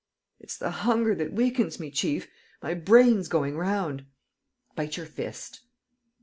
"It's the hunger that weakens me, chief; my brain's going round." "Bite your fist!"